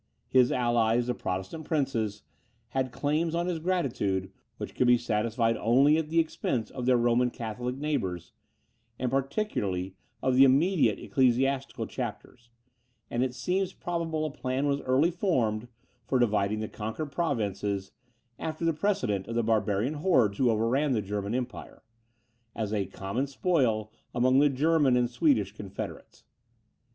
His allies, the Protestant princes, had claims on his gratitude, which could be satisfied only at the expense of their Roman Catholic neighbours, and particularly of the immediate Ecclesiastical Chapters; and it seems probable a plan was early formed for dividing the conquered provinces, (after the precedent of the barbarian hordes who overran the German empire,) as a common spoil, among the German and Swedish confederates.